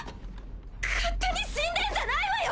勝手に死んでんじゃないわよ！